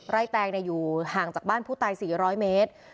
แตงอยู่ห่างจากบ้านผู้ตาย๔๐๐เมตร